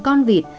bảy con vịt